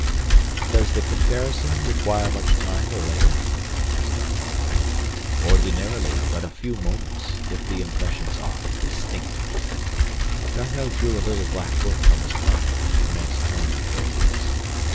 "Does the comparison require much time or labor?" asked D'Arnot. "Ordinarily but a few moments, if the impressions are distinct." D'Arnot drew a little black book from his pocket and commenced turning the pages.